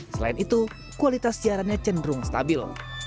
selain itu kualitas siarannya cenderung stabil